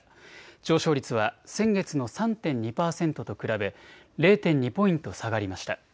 上昇率は先月の３．２％と比べ０．２ポイント下がりました。